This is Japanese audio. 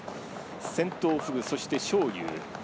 先頭フグ、そして章勇。